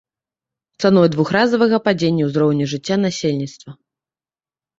Цаной двухразовага падзення ўзроўню жыцця насельніцтва.